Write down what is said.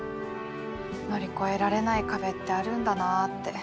乗り越えられない壁ってあるんだなって。